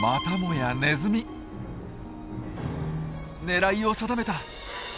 狙いを定めた！